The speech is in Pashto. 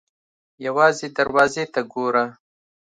_ يوازې دروازې ته ګوره!